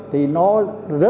thì nó rất dễ bị tắc